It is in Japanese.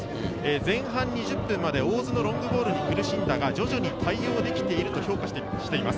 前半２０分まで大津のロングボールに苦しんだが、徐々に対応できていると評価しています。